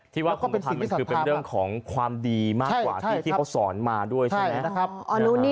ที่ว่าคงทำมันคือเป็นเรื่องของความดีมากกว่าที่เขาสอนมาด้วยใช่ไหม